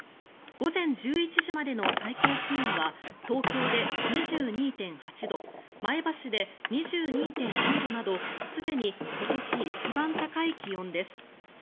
午前１１時までの最高気温は東京で２２．８度前橋で２２．４度などすでに今年一番高い気温です。